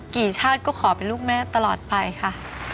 ชาติก็ขอเป็นลูกแม่ตลอดไปค่ะ